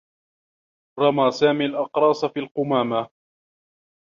رمى سامي الأقراص في القمامة.